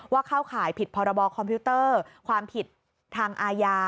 เข้าข่ายผิดพรบคอมพิวเตอร์ความผิดทางอาญา